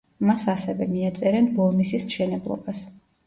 მას ასევე მიაწერენ ბოლნისის მშენებლობას.